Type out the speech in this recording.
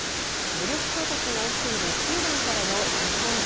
武力衝突が起きているスーダンからの日本人